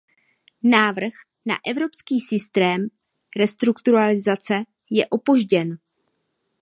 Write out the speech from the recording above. Návrh na evropský systém restrukturalizace je opožděn.